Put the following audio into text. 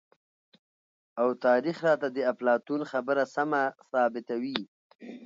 او تاريخ راته د اپلاتون خبره سمه ثابته وي،